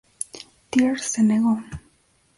Thiers se negó.